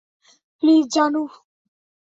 Please, Janu!